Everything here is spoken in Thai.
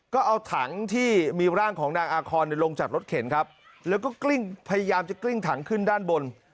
ก็เอาถังที่มีร่างของนางอาคอนลงจากรถเข็นครับแล้วก็กลิ้งพยายามจะกลิ้งถังขึ้นด้านบน